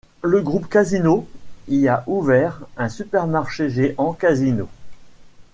Le groupe Casino y a ouvert un supermarché Géant Casino.